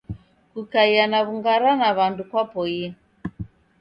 Kukaia na w'ung'ara na wandu kwapoie.